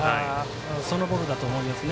そのボールだと思いますね。